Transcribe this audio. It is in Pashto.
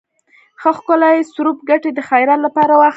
ښه ښکلے څورب کټے د خيرات لپاره واخله۔